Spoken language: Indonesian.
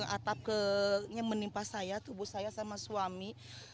atapnya menimpa saya tubuh saya sama suami